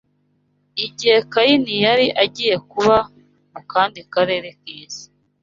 Igihe Kayini yari agiye kuba mu kandi karere k’isi